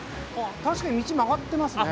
確かに道曲がってますね。